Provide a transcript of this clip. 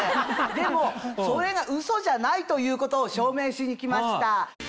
でもそれがうそじゃないということを証明しに来ました。